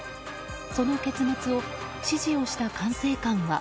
その結末を、指示した管制官は。